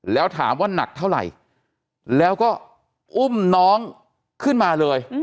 แล้วถามว่าหนักเท่าไหร่แล้วก็อุ้มน้องขึ้นมาเลย